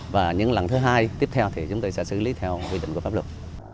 và những lần thứ hai tiếp theo thì chúng tôi sẽ xử lý theo quy định của pháp luật